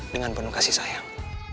dengan penuh kasih sayang